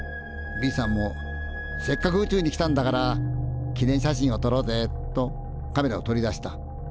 Ｂさんも「せっかく宇宙に来たんだから記念写真をとろうぜ」とカメラを取り出した。